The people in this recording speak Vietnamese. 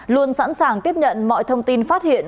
luôn sẵn sàng tiếp nhận mọi thông tin phát hiện